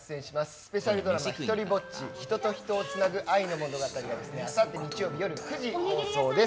スペシャルドラマ「ひとりぼっち―人と人をつなぐ愛の物語―」あさって日曜日夜９時、放送です。